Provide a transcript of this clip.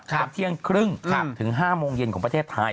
จะเที่ยงครึ่งถึง๕โมงเย็นของประเทศไทย